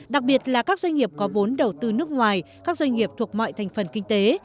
đặc biệt là các doanh nghiệp có vốn đầu tư nước ngoài các doanh nghiệp thuộc mọi thành phần kinh tế